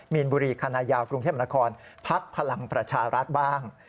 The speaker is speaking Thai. มีนบุรีคณะยาวกรุงเทพนครพักพลังประชารัฐบ้าง